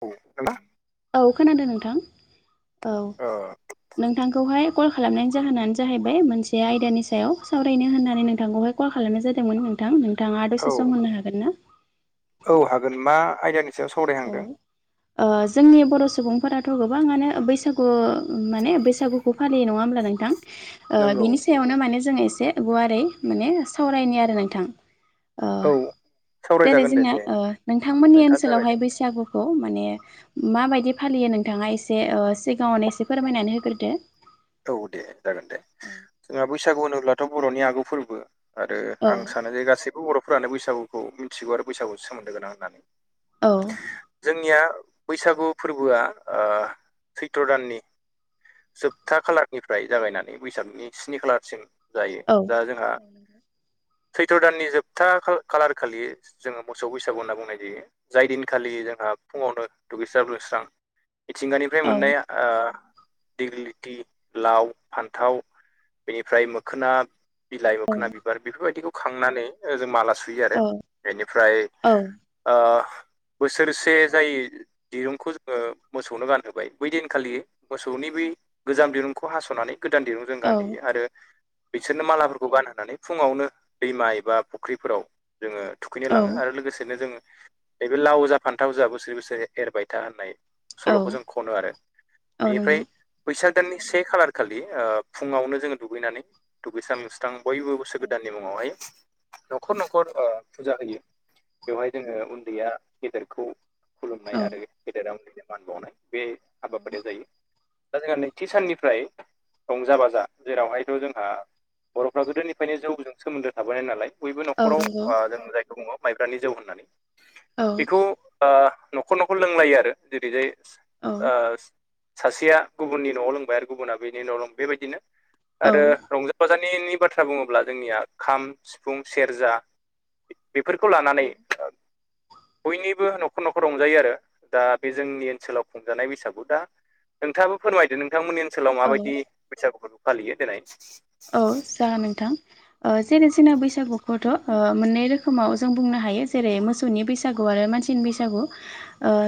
औ [unintelligible] औ खोनादों नोंथां औ नोंथांखौहाय कल खालामनायनि जाहोनानो जाहैबाय मोनसे आयदानि सायाव सावरायनो होननानै नोंथांखौहाय कल खालामनाय जादोंमोन नोंथां नोंथाङा आ औ दसे सम होननो हागोन ना? औ हागोन मा आयदानि सायाव औ सावरायहांदों? ओ जोंनि बर' सुबुंफोराथ' गोबाङानो बैसागु माने बैसागु बेखौ फालिनाय नङा होमबा नोंथां ओ नंगौ बिनि सायावनो माने जोङो एसे गुवारै माने सावरायनो आरो नोंथां ओ औ जेरै ओ सावरायजागोन दे जोंना दे नोंथांमोननि नोंथाङानो जागायदो ओनसोलावहाय बैसागुखौ माने माबायदि फालियो नोंथाङा एसे ओ सिगाङावनो एसे फोरमायनानै होग्रोदो औ दे जागोन दे जोंहा बैसागु होनोब्लाथ' बर'नि आगु फोरबो आरो आं औ सानो जे गासैबो बर'फोरानो बैसागुखौ मिथिगौ आरो बैसागुसो सोमोन्दो गोनां होननानै औ जोंनिया बैसागु फोरबोआ ओ सैथ्र दाननि जोब था खालारनिफ्राय जागायनानै बैसागनि स्नि खालारसिम जायो औ दा जोंहा सैथ्र' दाननि जोबथा खालार खालि जोङो मोसौ बैसागु होनना बुंनाय जायो। जाय दिनखालि जोंहा फुङावनो दुगैस्राब्लोस्रां मिथिंगानिफ्राय औ मोननाय ओ दिडिग्रि थि लाव, फान्थाव बेनिफ्राय मोखोना बिलाइ मोखोना बिबार बेफोरबायदिखौ खांनानै जों माला सुयो आरो औ बेनिफ्राय ओ बोसोरसे जायो। दिरुंखौ जोङो मोसौनो गानहोबाय बै दिनखालि मोसौनि बि गोजाम दिरुंखौ हास'नानै गोदान दिरुं जों औ गानहैयो आरो बिसोरनो मालाफोरखौ गानहोनानै फुङावनो दैमा एबा फुख्रिफोराव जोङो थुखैनो औ लाङो आरो लोगोसेनो जों बे लाव जा फान्थाव जाआ बोसोर बोसोरै एरबाय था होननाय सल'खौ औ जों खनो आरो औ बेनिफ्राय नंगौ बैसाग दाननि से खालार खालि ओ फुङावनो जोङो दुगैनानै दुगैसांस लोब स्रां बयबो बोसोर गोदाननि मुङावहाय न'खर न'खर फुजा होयो बेवहाय जोङो उन्दैया गेदेरखौ औ खुलुमनाय आरो गेदेराव मान बावनाय बे हाबाफारिया जायो। दा जोंहा नैथि साननिफ्राय रंजा बाजा जेरावहायथ' जोंहा बर'फ्रा गोदोनिफ्रायनो जौजों सोमोन्दो थाबोनाय नालाय बयबो ओं न'खराव नंगौ। ओ जों जायखौ बुङो माइब्रानि जौ होननानै औ बेखौ न'खर न'खर लोंलायो आरो जेरैजाय औ ओ सासेया गुबुननि न'आव लोंबाय आरो गुबुना बेनि न'आव लोंबाय बेबायदिनो औ आरो रंजा बाजानिनि बाथ्रा बुङोब्ला जोंनिया खाम, सिफुं, सेरजा बेफोरखौ लानानै बयनिबो न'खर न'खर रंजायो आरो दा बे जोंनि ओनसोलाव खुंजानाय बैसागु दा नोंथाङाबो फोरमायदो नोंथांमोननि ओनसोलाव माबायदि बैसागु फोरबो फालियो देलाय औ जागोन नोंथां। ओ जेरैसिना बैसागुखौथ'ओ मोननै रोखोमाव जों बुंनो हायो जेरै मोसौनि बैसागु। बैसागु आरो मानसिनि बैसागु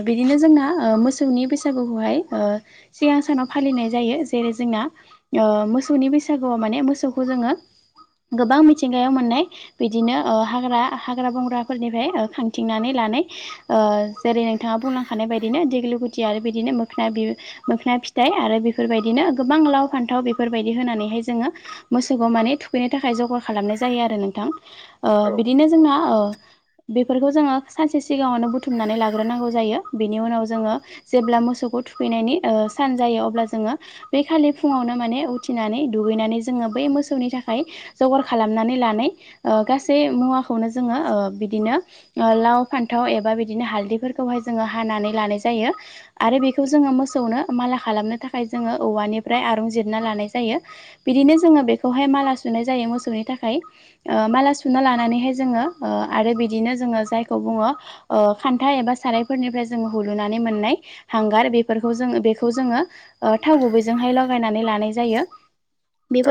बिदिनो जोंना ओ मोसौनि बैसागुखौहाय ओ सिगां सानाव फालिनाय जायो जेरै जोंना ओ मोसौनि बैसागु माने मोसौखौ जोङो गोबां मिथिंगायाव मोननाय बिदिनो ओ हाग्रा हाग्रा बंग्राफोरनिफ्राय ओ खांथिंनानै लानाय ओ जेरै नोंथाङा बुंलांखानाय बायदिनो देग्लुगुथि आरो बिदिनो मोखोन बि मोखना फिथाइ आरो बेफोरबायदिनो गोबां लाव फान्थाव बेफोरबायदि होनानैहाय जोङो मोसौखौ माने थु खैनो थाखाय जगार खालामनाय जायो आरो नोंथां ओ औ बिदिनो जोंना ओ बेफोरखौ जोङो सानसे सिगाङावनो बुथुमनानै लाग्रोनांगौ जायो। बेनि उनाव जोङो जेब्ला मोसौखौ थुखैनायनि ओ सान जायो अब्ला जोङो बे खालि फुङावनो माने उथिनानै दुगैनानै जोङो बै मोसौनि थाखाय जगार खालामनानै लानाय गासै मुवाखौनो जोङो ओ बिदिनो ओ लाव फान्थाव एबा बिदिनो हालदैफोरखौहाय जोङो हानानै लानाय जायो। आरो बेखौ जोङो मोसौनो माला खालामनो थाखाय जोङो औवानिफ्राय आरंजिरना लानाय जायो। बिदिनो जोङो बेखौहाय माला सुनाय जायो मोसौनि थाखाय ओ माला सुना लानानैहाय जोङो ओ आरो बिदिनो जोङो जायखौ बुङो ओ खान्था एबा सारायफोरनिफ्राय जोङो हुलुनानै मोननाय हांगार बेफोरखौ जोङो बेखौ जोङो थाव गुबैजोंहाय लगायनानै लानाय जायो।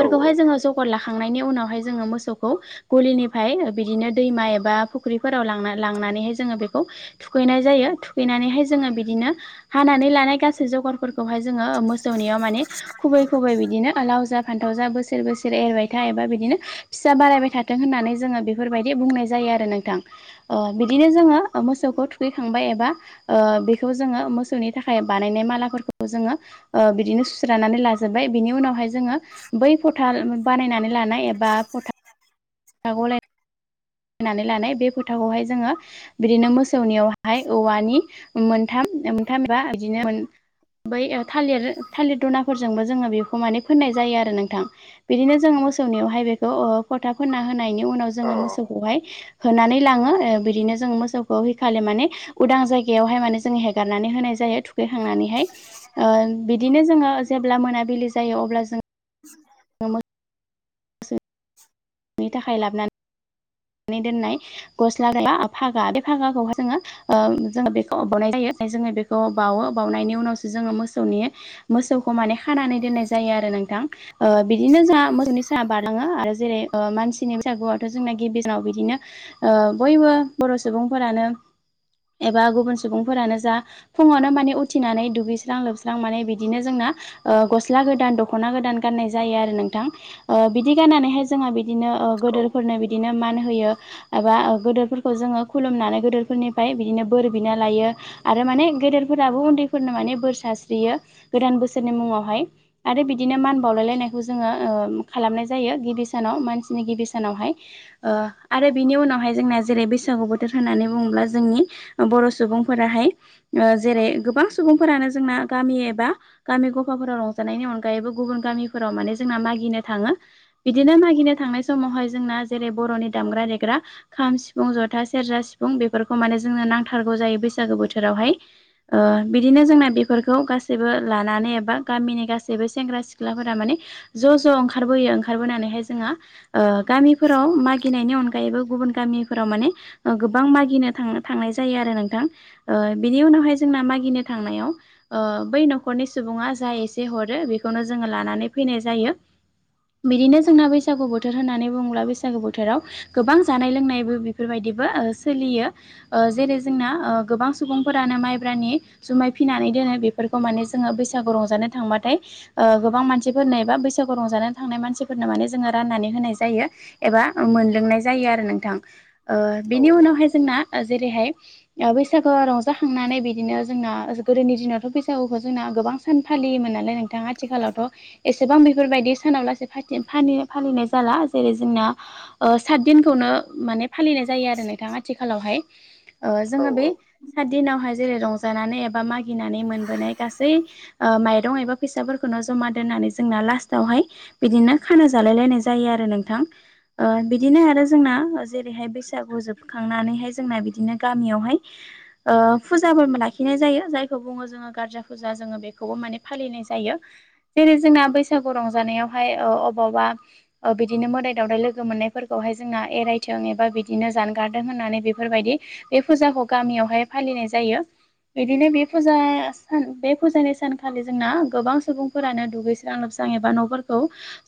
औ जोङो जगद लाखांनायनि उनावहाय जोङो मोसौखौ गलिनिफ्राय बिदिनो दैमा एबा फुख्रिफोराव लांनानैहाय जोङो बेखौ थुखैनाय जायो थुखैनानैहाय जोङो बिदिनो हानानै लानाय गासै जगारफोरखौहाय जोङो मोसौनायाव माने खुबै खुबै बिदिनो लाव जा फान्थाव जा बोसोर बोसोर एरबाय था एबा बिदिनो फिसा बारायबाय थाथों होननानै जोङो बेफोरबायदि बुंनाय जायो आरो नोंथां। बिदिनो जोङो मोसौखौ थुखैखांबाय एबा ओ बेखौ जोङो मोसौनि थाखाय बानायनाय मालाफोरखौ जोङो ओ बिदिनो सुस्रानानै लाजोबबाय बिनि उनावहाय जोङो बै फथा बानायनानै लानाय एबा फथा [inaudible] गलाय नानै लानाय बे फोथाखौहाय जोङो बिदिनो मोसौनियावहाय औवानि मोनथाम मोनथाम एबा बिदिनो बै थालिर थालिर दना फोरजोंबो जोङो बेखौ माने फोननाय जायो आरो नोंथां। बिदिनो जोङो मोसौनियावहाय बेखौ ओ फथा फोनना होनायनि उनाव औ जोङो मोसौखौहाय होना नानै लाङो बिदिनो जों मोसौखौ हेखालि माने उदां जायगायावहाय माने जों हेगारनानै होनाय जायो। खांनानैहाय बिदिनो जोङो जेब्ला मोनाबिलि जायो अब्ला जों ज। म। [inaudible] थाखाय लाबोनानैनानै दोननाय गस्ला फागा बे भागाखौहाय जोङो। ओ जोङो बेखौ बबावनाय जायो जोङो बेखौ बाउवो बावउनायनि उनावसो जोङो मोसौनि मोसौखौ माने खानानै दोननाय जायो आरो नोंथां। ओ बिदिनो जों मोसौनि साना बारलाङो आरो जेरै ओ मानसिनि बैसागुआथ' जोंना गिबि सानाव बिदिनो ओ बयबो बर' सुबुंफोरानो एबा गुबुन सुबुंफोरानो जा फुङावनो माने उथिनानै दुगैस्रां लोबस्रां माने बिदिनो जोंना ओ गस्ला गोदान दख'ना गोदान गाननाय जायो आरो नोंथां। ओ बिदि गाननानैहाय जोंहा बिदिनो गोदोरफोरनो बिदिनो मान होयो। एबा गदोरफोरखौ जोङो खुलुमनानै गोदोरफोरनिफ्राय बिदिनो बोर बिना लायो। आरो माने गेदेरफोराबो उन्दैफोरनो माने बोर सारस्रियो गोदान बोसोरनि मुङावहाय। आरो बिदिनो मान बावलायलायनायखौ जोङो ओ खालामनाय जायो गिबि सानाव मानसिनि गिबि सानावहाय ओ आरो बिनि उनावहाय जोंना जेरै बैसागु बोथोर होननानै बुङोब्ला जोंनि बर' सुबुंफोराहाय ओ जेरै गोबां सुबुंफोरानो जोंना गामि एबा गामि ग'फा फोराव रंजानायनि अनगायैबो गुबुन गामिफोराव माने जोंना मागिनो थाङो। बिदिनो मागिनो थांनाय समावहाय जोंना जेरै बर'नि दामग्रा देग्रा खाम, सिफुं, ज'था, सेरजा, सिफुं बेफोरखौ माने जोंनो नांथारगौ जायो बैसागो बोथोरावहाय। ओ बिदिनो जोंना बेफोरखौ गासैबो लानानै एबा गामिनि गासैबो सेंग्रा सिख्लाफोरा माने ज' ज' ओंखारबोयो ओंखारबोनानै जोंना ओ गामिफोराव मागिनायनिनि अनगायैबो गुबुन गामि फोराव माने गोबां मागिनो थां थांनाय जायो आरो नोंथां ओ बिनि उनावहाय जोंना मागिनो थांनायाव ओ बै न'खरनि सुबुङा जा एसे हरो बेखौनो जोङो लानानै फैनाय जायो। बिदिनो जोंना बैसागु बोथोर होननानै बुङोब्ला बैसागु बोथोराव गोबां जानाय लोंनायबो बेफोरबायदिबो सोलियो। ओ जेरै जोंना ओ गोबां सुबुंफोरानो माइब्रानि जुमाय फिनानै दोनो बेफोरखौ माने जोङो बैसागु रंजानो थांबाथाय ओ गोबां मानसिफोरनो एबा बैसागु रंजानानै थांनाय मानसिफोर फोरनो माने जोङो राननानै होनाय जायो एबा मोनलोंनाय जायो आरो नोंथां। ओ बिनि उनावहाय जोंना ओ जेरैहाय ओ बैसागोआव रंजाखांनानै बिदिनो जोंना गोदोनि दिनावथ' बैसागुखौ जोंना गोबां सान फालियोमोन नालाय नोंथां आथिखालावथ' एसेबां बेफोरबायदि सानाव लासै फाथि फालि-फालिनाय जाला जेरै जोंना साथदिनखौनो माने फालिनाय जायो आरो नोंथां आथिखालावहाय। ओ औ जोङो बै औ साथ दिनावहाय जेरै रंजानानै एबा मागिनानै मोनबोनाय गासै ओ माइरं एबा फैसाफोरखौनो ज'मा दोननानै जोंना लास्टावहाय बिदिनो खाना जालाय लायनाय जायो आरो नोंथां। ओ बिदिनो आरो जोंना जेरैहाय बैसागु जोबखांनानैहाय जोंना बिदिनो गामियावहाय ओ फुजाफोरबो लाखिनाय जायो जायखौ बुङो जोङो गारजा फुजा जोङो बेखौबो माने फालिनाय जायो जेरै जोंना बैसागु रंजानायाव हाय ओ अबावबा ओ बिदिनो मोदाय दावदाय लोगो मोननायफोरखौहाय जोंना एरायथों एबा बिदिनो जानगारदों होननानै बेफोरबायदि बे फुजाखौ गामियावहाय फालिनाय जायो। बिदिनो बे फुजा सान बे फुजानि सानखालि जोंना गोबां सुबुं फोरानो दुगैस्रां लोबसां एबा न'फोर खौ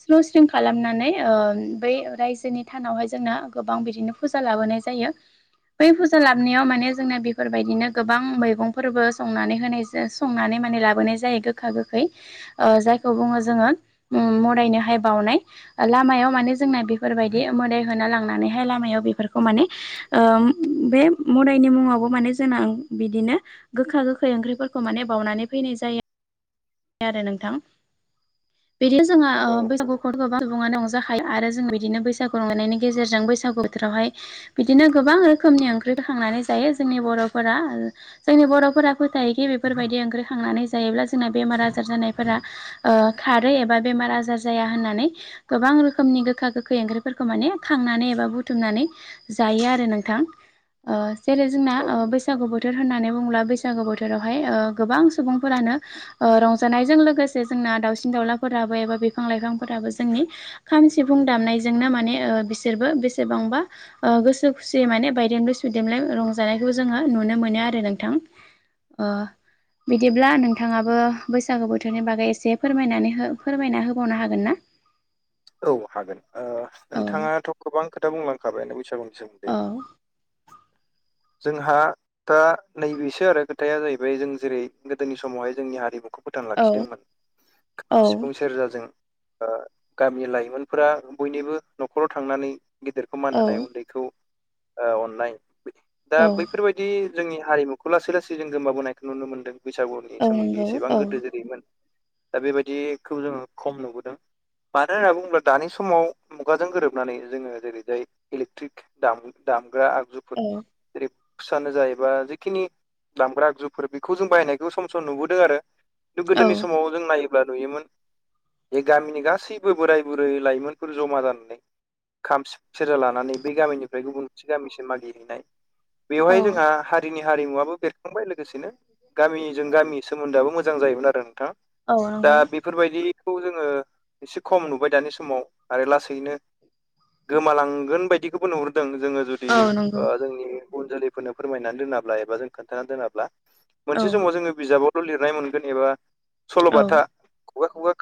स्रां स्रिं खालामनानै ओ बै रायजोनि थानावहाय जोंनो गोबां बिदिनो फुजा लाबोनाय जायो। बै फुजा लाबनायाव माने जोंना बेफोरबायदिनो गोबां मैगंफोरबो संनानै होनाय जा संनानै माने लाबोनाय जायो गोखा गोखै ओ जायखौ बुङो जोङो मदायनो हाय बावनाय। ओ लामायाव माने जोंना बे बेफोरबायदि मोदाय होनो लांनानै हाय लामायाव बेफोरखौ माने ओ बे मोदाय नि मुङावबो माने जोंना बिदिनो गोखा गोखै ओंख्रिफोरखौ माने बावउनानै फैनाय जायो आरो नोंथां। बिदिनो जोंहा औ बैसागुखौथ गोबां सुबुङानो रंजाखायो आरो जों बिदिनो बैसागु रंजानायनायनि गेजेरजों बैसागु बोथोरावहाय बिदिनो गोबां रोखोमनि ओंख्रि खांनानै जायो जोंनि बर'फोरा ओ जोंनि बर'फोरा फोथायोखि बेफोरबायदि ओंख्रि खांनानै जायोब्ला जोंना बेमार आजार जानायफोरा ओ खारो एबा बेमार आजार जाया होननानै। गोबां रोखोमनि गोखा गोखै ओंख्रिफोरखौ माने खांनानै एबा बुथुमनानै जायो आरो नोंथां। ओ जेरै जोंना औ ओ बैसागु बोथोर होननानै बुङोब्ला बैसागु बोथोरावहाय ओ गोबां सुबुंफोरानो ओ रंजानायजों लोगोसे जोंना दाउसिन दाउलाफोराबो एबा बिफां लाइफांफोराबो जोंनि खाम सिफुं दामनायजोंनो माने ओ बिसोरबो बेसेबांबा गोसो खुसियै माने बायदेमलाय सुदेमलाय रंजानायखौ जोङो नुनो मोनो आरो नोंथां बिदिब्ला नोंथाङाबो बैसागु बोथोरनि बागै एसे फोरमाय फोरमायना होबावनो हागोन ना औ हागोन औ नोंथाङाथ' गोबां खोथा बुंलांखाबायानो बैसागुनि सोमोनदै औ जोंहा दा नैबेसो आरो खोथाया जाहैबाय जों जेरै गोदोनि समावहाय जोंनि हारिमुखौ फोथां औ लाखिदोंमोन औ सिफुं सेरजाजों आ गामिनि लाइमोनफोरा बयनिबो न'खराव थांनानै गेदेरखौ मान होनाय औ उन्दैखौ ओ अननाय दा औ बैफोरबायदि बिदि जोंनि हारिमुखौ लासै लासै जों गोमाबोनायखौ नुनो मोनदों बैसागुआवनि नि औ सोमोन्दै नंगौ एसेबां औ गोदो जेरैमोन दा बेबायदिखौ जोङो खम नुबोदों मानो होनना बुङोब्ला दानि समाव मुगाजों गोरोबनानै जोङो जेरैजाय इलेक्ट्रिक दाम दामग्रा आगजुग ए जेरै फुसानो जायोबा जखिनि दामग्रा आगजुफोर बेखौ जों बाहायनायखौ सम सम नुबोदों आरो औ गोदोनि समाव जों नायोब्ला नुयोमोन बे गामिनि गासै जेबो बोराय बुरै लाइमोनफोर जमा जानानै खाम सेरजा लानानै बे गामिनिफ्राय गुबुन मोनसे गामिसिम मागिहैनाय औ बेवहाय जोंहा हारिनि हारिमुवाबबो बेरखांबाय लोगोसेनो गामिजों औ गामि सोमोन्दोआबो मोजां जायोमोन आरो नोंथाङा औ दा नंगौ बे बेफोरबायदिखौ जोङो एसे खम नुबाय दानि समाव आरो लासैनो गोमालांगोन बायदि बेखौबो नुहुरदों जोङो जुदि औ नंगौ जोंनि इयुन जोलैफोरनो फोरमायनानै दोनाब्ला एबा जों खोनथा दोनाब्ला औ मोनसे समाव जोङो बिजाबाव ल' लिरनाय मोनगोन एबा औ सल'बाथा खुगा खुगा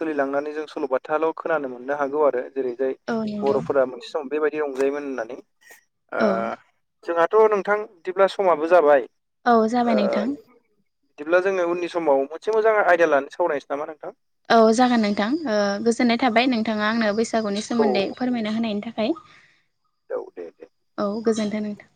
सोलिलांनानै जों सल'बाथाल' खोनानो मोननो हागौ आरो जेरै जाय औ नंगौ बर'फोरा मोनसे सम बेबायदि बि रंजायोमोन होननानै ओ औ जोंहाथ' नोंथां बिदिब्ला समाबो जाबाय औ जाबाय नोंथां बिदिब्ला जोङो उननि समाव मोनसे मोजां आइडा लाना सावरायनोसै नामा नोंथां औ जागोन नोंथां गोजोननाय थाबाय नोंथाङा आंनो बैसागुनि औ सोमोन्दै फोरमायना होनायनि थाखाय औ दे दे औ गोजोनथों नोंथां